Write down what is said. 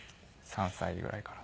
３歳ぐらいから。